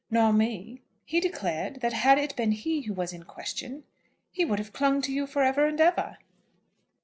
"Nor me?" "He declared that had it been he who was in question he would have clung to you for ever and ever."